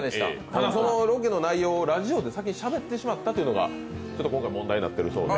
ただ、そのロケの内容を先にラジオでしゃべってしまったというのがちょっと今回問題になってるそうで。